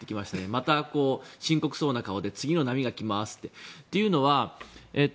また深刻そうな顔で次の波が来ますと。